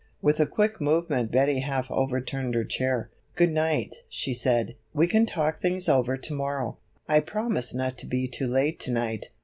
With a quick movement Betty half overturned her chair. "Good night," she said, "we can talk things over to morrow. I promised not to be too late to night.